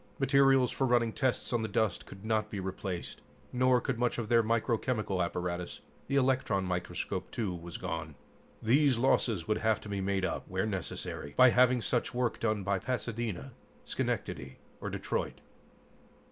Materials for running tests on the dust could not be replaced, nor could much of their microchemical apparatus. The electron microscope, too, was gone. These losses would have to be made up, where necessary, by having such work done by Pasadena, Schenectady or Detroit.